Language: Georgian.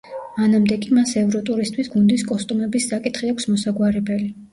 მანამდე კი მას ევროტურისთვის გუნდის კოსტუმების საკითხი აქვს მოსაგვარებელი.